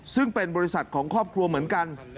ซึ่งเป็นบริษัทของครอบครัวเหมือนกัน